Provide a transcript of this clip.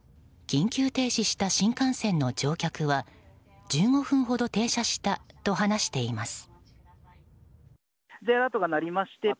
緊急停止した新幹線の乗客は１５分ほど停車したと話しています。